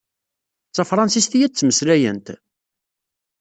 D tafṛansist i ad ttmeslayent?